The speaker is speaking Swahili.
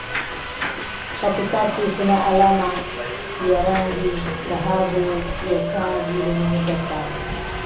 Katikati kuna alama ya rangi dhahabu ya taji lenye nyota saba.